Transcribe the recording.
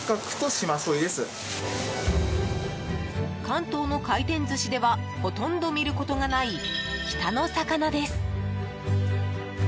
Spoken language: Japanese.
関東の回転寿司ではほとんど見ることがない北の魚です！